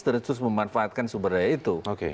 terus memanfaatkan sumber daya itu